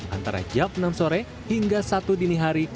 antara jam enam sore hingga satu dini hari